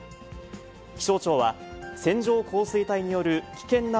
気象庁は、線状降水帯による危険以上、